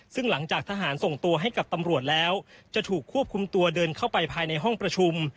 ซึ่งหลังจากทหารส่งตัวให้กับตำรวจแล้วจะถูกควบคุมตัวเดินเข้าไปภายในห้องประชุม